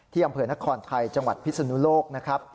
อำเภอนครไทยจังหวัดพิศนุโลกนะครับ